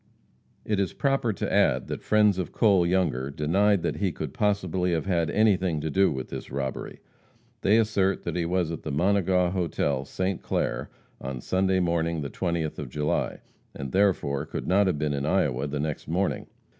It is proper to add that friends of Cole Younger denied that he could possibly have had anything to do with this robbery. They assert that he was at the Monegaw hotel, St. Clair, on Sunday morning, the 20th of July, and therefore could not have been in Iowa the next morning.